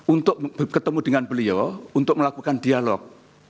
untuk ketemu dengan beliau untuk melakukan dialog